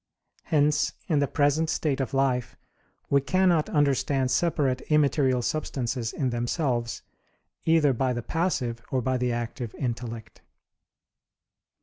Hence in the present state of life we cannot understand separate immaterial substances in themselves, either by the passive or by the active intellect.